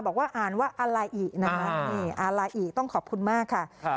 บอกว่าอ่านว่าอารายีอารายีต้องขอบคุณมากค่ะ